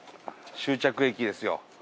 終着駅ですよ。